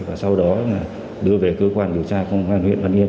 và sau đó là đưa về cơ quan điều tra công an huyện văn yên